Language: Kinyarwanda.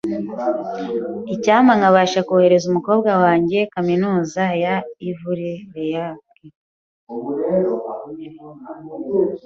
Icyampa nkabasha kohereza umukobwa wanjye kaminuza ya Ivy League.